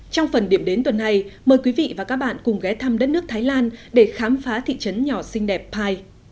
trong phần điểm đến tuần này mời quý vị và các bạn cùng ghé thăm đất nước thái lan để khám phá thị trấn nhỏ xinh đẹp pai